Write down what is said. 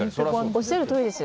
おっしゃるとおりです。